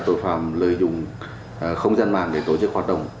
tội phạm lợi dụng không gian mạng để tổ chức hoạt động